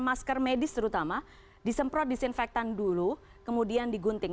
masker medis terutama disemprot disinfektan dulu kemudian digunting